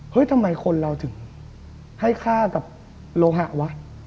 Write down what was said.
ทำไมคนเราถึงให้ค่ากับโลหะวะ